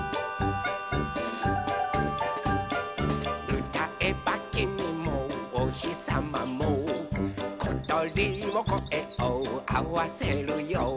「うたえばきみもおひさまもことりもこえをあわせるよ」